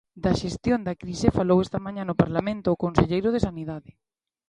Da xestión da crise falou esta mañá no Parlamento o conselleiro de Sanidade.